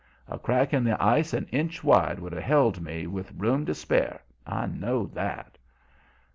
A crack in the ice an inch wide would have held me, with room to spare; I know that.